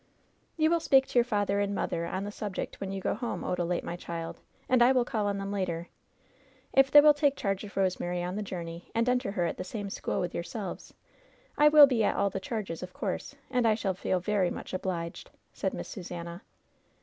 "You will speak to your father and mother on the subject when you go home, Odalite, my child; and I will call on them later. If they will take charge of Rosemary on the journey, and enter her at the same school with yourselves, I will be at all the charges, of course, and I shall feel very much obliged," said Miss Susannah.